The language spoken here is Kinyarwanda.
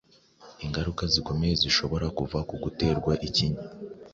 Ingaruka zikomeye zishobora kuva ku guterwa ikinya